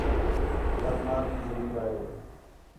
ٻِیال مار بھی جَھلین٘دا ہے